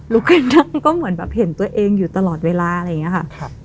ขึ้นนั่งก็เหมือนแบบเห็นตัวเองอยู่ตลอดเวลาอะไรอย่างนี้ค่ะ